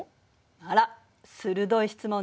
あら鋭い質問ね。